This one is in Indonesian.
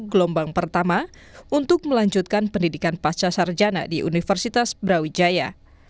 gelombang pertama untuk melanjutkan pendidikan pasca sarjana di universitas brawijaya